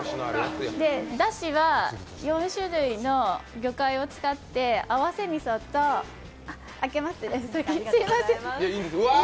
だしは４種類の魚介を使って合わせ味噌と、開けます、すいません。